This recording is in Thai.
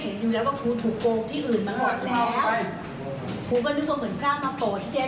แล้วพระของคุณคืนมาด้วยเอาเงินของคุณคืนด้วย